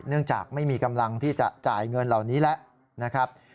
เนื่องจากไม่มีกำลังที่จะจ่ายเงินเหล่านี้แล้วนะครับ